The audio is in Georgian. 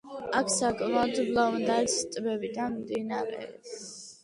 აქ საკმაოდ ბლომად არის ტბები და მდინარეები.